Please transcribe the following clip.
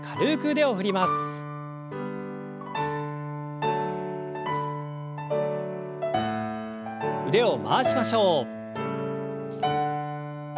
腕を回しましょう。